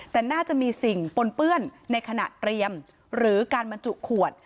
แต่น่าจะมีสิ่งปนเปื้อนในขณะเตรียมหรือการบรรจุขวด